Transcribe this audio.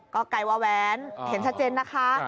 ก็ไกลว่าแว้นเห็นชัดเจนนะคะ